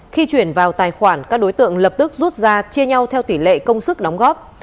khi chuyển vào tài khoản các đối tượng lập tức rút ra chia nhau theo tỷ lệ công sức đóng góp